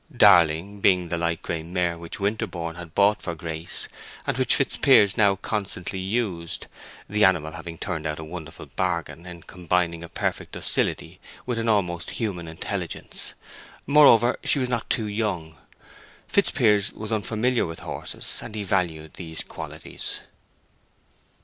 Darling being the light gray mare which Winterborne had bought for Grace, and which Fitzpiers now constantly used, the animal having turned out a wonderful bargain, in combining a perfect docility with an almost human intelligence; moreover, she was not too young. Fitzpiers was unfamiliar with horses, and he valued these qualities.